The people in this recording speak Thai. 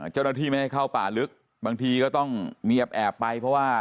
เจ้าหน้าที่ไม่ให้เข้าป่าลึกบางทีก็ต้องเงียบแอบไปเพราะว่า